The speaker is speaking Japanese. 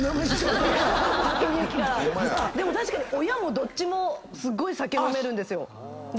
でも確かに親もどっちもすっごい酒飲めるんですよ。